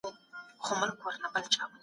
د خپلو ماشومانو ښوونه او روزنه باوري کړئ.